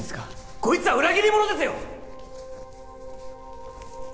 こいつは裏切り者ですよ